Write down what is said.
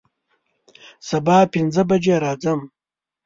سبا پنځه بجې راځم